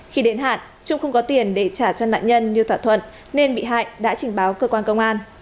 khi đến hạn trung không có tiền để trả cho nạn nhân như thỏa thuận nên bị hại đã trình báo cơ quan công an